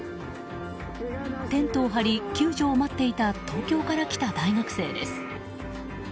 テントを張り、救助を待っていた東京から来た大学生です。